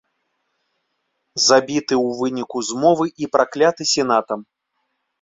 Забіты ў выніку змовы і пракляты сенатам.